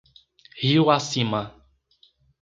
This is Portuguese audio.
Rio Acima